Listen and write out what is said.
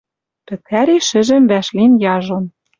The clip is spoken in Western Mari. Пӹтӓри шӹжӹм вӓшлин яжон.